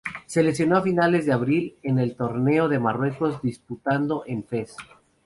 Se lesionó a finales de abril en el Torneo de Marruecos disputado en Fez.